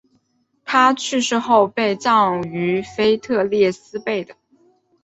他去世后被葬于腓特烈斯贝的。